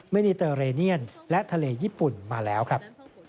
นิเตอร์เรเนียนและทะเลญี่ปุ่นมาแล้วครับ